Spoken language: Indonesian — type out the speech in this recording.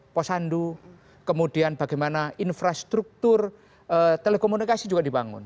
posandu kemudian bagaimana infrastruktur telekomunikasi juga dibangun